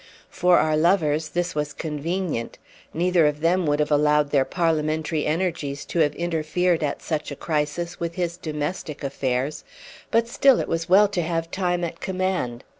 For our lovers this was convenient. Neither of them would have allowed their parliamentary energies to have interfered at such a crisis with his domestic affairs; but still it was well to have time at command.